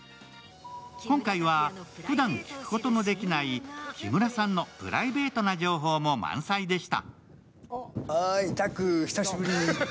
今回は、ふだん聞くことのできない木村さんのプライベートな情報も満載でした。